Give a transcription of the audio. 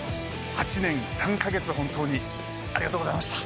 ８年３カ月本当にありがとうございました。